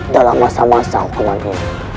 dalam masa masa aku lagi